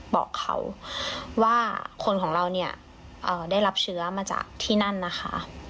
บอกเขาว่าคนของเราเนี่ยได้รับเชื้อมาจากที่นั่นนะคะ